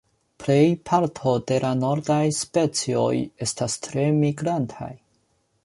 Plej parto de la nordaj specioj estas tre migrantaj.